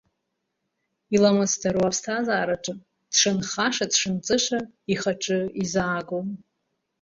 Иламысдароу аԥсҭазаараҿы дшынхаша-дшынҵыша ихаҿы изаагом.